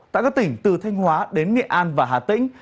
tại các tỉnh từ thanh hóa đến nghệ an và hà tĩnh